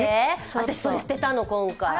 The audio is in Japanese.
私、それ捨てたの、今回。